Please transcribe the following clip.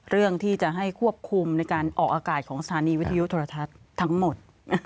เรื่องที่จะให้ควบคุมในการออกอากาศของสถานีวิทยุโทรทัศน์ทั้งหมด